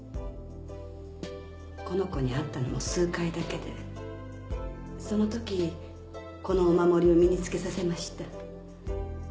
この子に会ったのも数回だけでそのときこのお守りを身につけさせました。